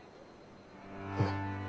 うん。